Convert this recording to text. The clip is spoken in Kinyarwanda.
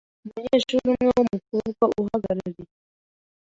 Umunyeshuri umwe w’umukobwa uhagarariye